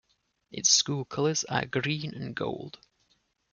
Its school colors are green and gold.